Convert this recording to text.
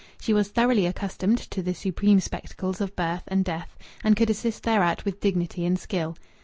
She was thoroughly accustomed to the supreme spectacles of birth and death, and could assist thereat with dignity and skill.